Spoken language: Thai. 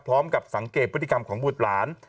พร้อมกับสังเกตพฤติกรรมของบุตรหลาน